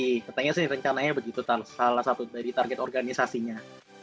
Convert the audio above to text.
jadi katanya sih rencananya begitu salah satu dari target organisasinya